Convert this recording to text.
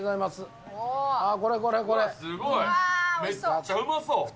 めっちゃうまそう。